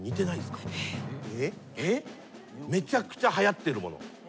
めちゃくちゃはやってるもの。